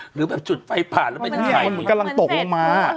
หรือแบบจุดไฟผ่านแล้วมันกำลังตกลงมา